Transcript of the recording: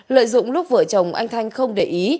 lợi dụng lúc vợ chồng anh thanh không để ý